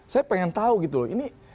saya pengen tahu gitu loh ini